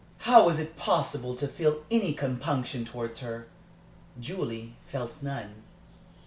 How was it possible to feel any compunction towards her? Julie felt none.